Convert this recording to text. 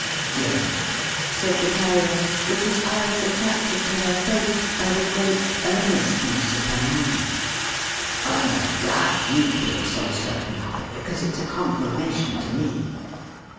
"Yes?" said the Carrier, with his eyes attracted to her face by the great earnestness of her manner. "I am glad you feel so certain of it, because it's a confirmation to me.